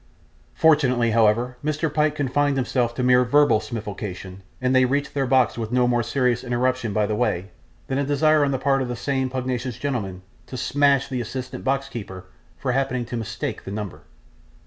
Fortunately, however, Mr. Pyke confined himself to mere verbal smifligation, and they reached their box with no more serious interruption by the way, than a desire on the part of the same pugnacious gentleman to 'smash' the assistant box keeper for happening to mistake the number.